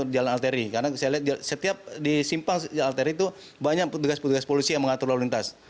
karena saya lihat setiap di simpang di alteri itu banyak pedagang pedagang polisi yang mengatur lalu lintas